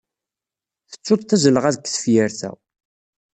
Tettuḍ tazelɣa deg tefyirt-a.